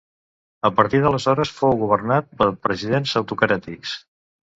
A partir d'aleshores fou governat per presidents autocràtics.